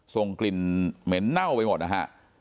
ส่งกลิ่นเหม็นเน่าไปหมดนะฮะ